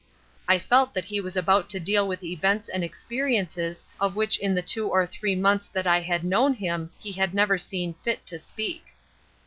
I felt that he was about to deal with events and experiences of which in the two or three months that I had known him he had never seen fit to speak.